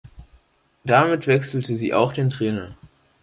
Damit wechselte sie auch den Trainer.